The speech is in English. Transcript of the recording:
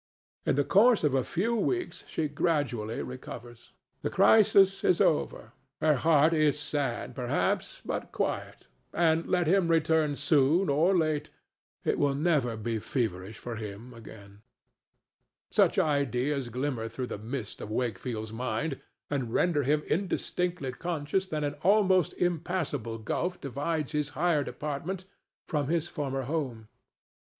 In the course of a few weeks she gradually recovers. The crisis is over; her heart is sad, perhaps, but quiet, and, let him return soon or late, it will never be feverish for him again. Such ideas glimmer through the mist of Wakefield's mind and render him indistinctly conscious that an almost impassable gulf divides his hired apartment from his former home.